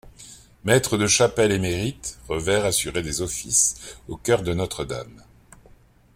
Maître de chapelle émérite, Revert assurait des offices au chœur de Notre-Dame.